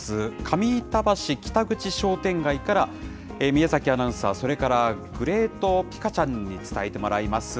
上板橋北口商店街から宮崎アナウンサー、それからグレート・ピカちゃんに伝えてもらいます。